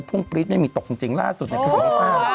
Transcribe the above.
พ่วงปริ๊ดไม่มีตกจริงล่าสุดในภาษาวิทยาลัย